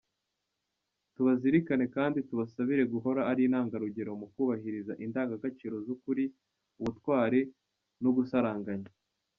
Tubazirikane kandi tubasabire guhora ari intangarugero mu kubahiriza Indangagaciro z’Ukuri, Ubutwari n’Ugusaranganya.